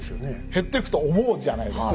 減ってくと思うじゃないですか。